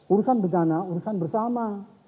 urusan bencana urusan bersama